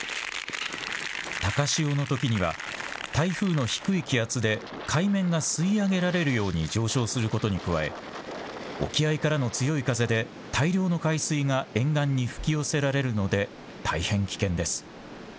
高潮のときには台風の低い気圧で海面が吸い上げられるように上昇することに加え沖合からの強い風で大量の海水が沿岸に吹き寄せられるので大変危険です。